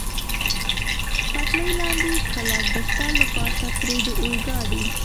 پټلۍ لاندې کلک بستر، له پاسه پرې د اورګاډي.